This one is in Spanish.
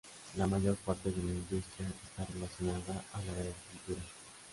La mayor parte de la industria está relacionada a la agricultura.